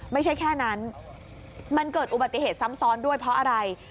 ไม่ใช่แค่นั้นมันเกิดอุบัติเหตุซ้ำซ้อนด้วยเพราะอะไร